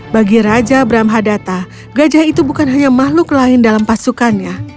bagi raja bram hadata gajah itu bukan hanya makhluk lain dalam pasukannya